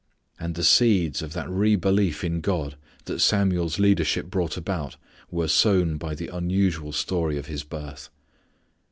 And the seeds of that re belief in God that Samuel's leadership brought about were sown by the unusual story of his birth.